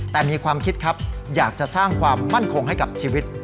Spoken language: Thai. แต่มีความคิดครับอยากจะสร้างความมั่นคงให้กับชีวิต